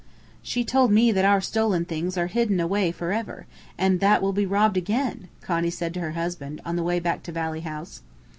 "She told me that our stolen things are hidden away for ever, and that we'll be robbed again," Connie said to her husband on the way back to Valley House.